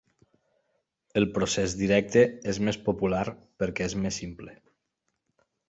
El procés directe és més popular perquè és més simple.